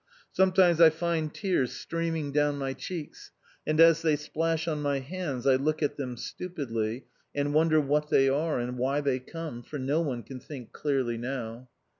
Sometimes I find tears streaming down my cheeks, and as they splash on my hands I look at them stupidly, and wonder what they are, and why they come, for no one can think clearly now.